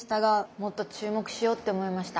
もっと注目しようって思いました。